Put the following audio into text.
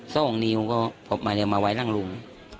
โซ่่งนิวก็พบมาเลยมาไว้ร่างหลวง